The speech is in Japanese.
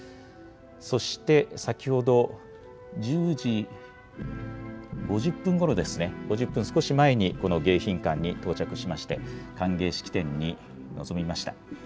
そして先ほど１０時５０分ごろですね、５０分少し前に迎賓館に到着しまして歓迎式典に臨みました。